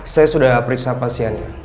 saya sudah periksa pasiennya